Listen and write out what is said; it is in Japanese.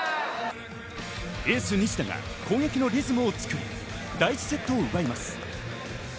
エース西田が攻撃のリズムを作り、第１セットを奪います。